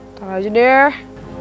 entahlah aja deh